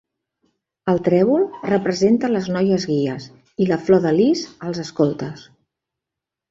El trèvol representa les noies guies i la flor de lis els escoltes.